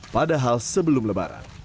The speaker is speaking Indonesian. padahal sebelum lebaran